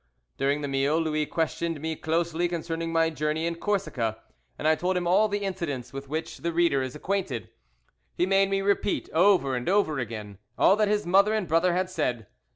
During the meal Louis questioned me closely concerning my journey in Corsica, and I told him all the incidents with which the reader is acquainted. He made me repeat, over and over again, all that his mother and brother had said.